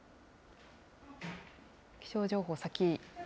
気象情報先？